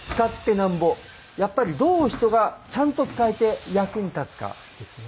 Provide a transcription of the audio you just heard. やっぱりどう人がちゃんと使えて役に立つかですね。